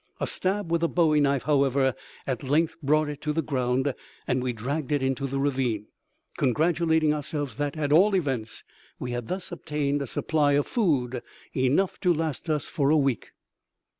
A stab with a bowie knife, however, at length brought it to the ground, and we dragged it into the ravine, congratulating ourselves that, at all events, we had thus obtained a supply of food enough to last us for a week.